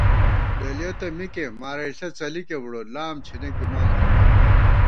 ڈلِیَہ تہ مِکےمارَئیݪہ څَلِکےبُڑوت لام چھېنېک بِمان خلکا